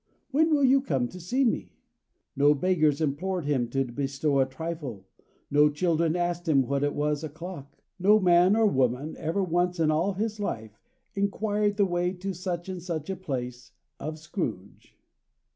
When will you come to see me?" No beggars implored him to bestow a trifle, no children asked him what it was o'clock, no man or woman ever once in all his life inquired the way to such and such a place, of Scrooge.